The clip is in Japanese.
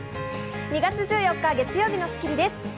２月１４日、月曜日の『スッキリ』です。